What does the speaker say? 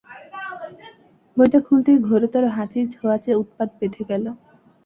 বইটা খুলতেই ঘোরতর হাঁচির ছোঁয়াচে উৎপাত বেধে গেল।